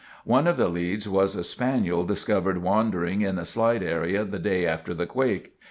One of the leads was a spaniel discovered wandering in the slide area the day after the quake.